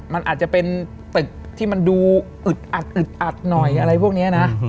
มันอาจจะเป็นตึกที่มันดูอึดอัดอึดอัดหน่อยอะไรพวกนี้นะ